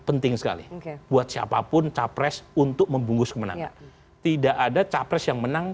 penting sekali buat siapapun capres untuk membungkus kemenangan tidak ada capres yang menang